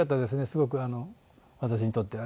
すごく私にとってはね。